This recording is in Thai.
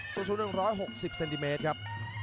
สู้๑๖๐เซนติเมตรครับ